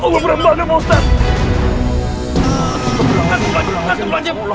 ya allah berambah pak ustadz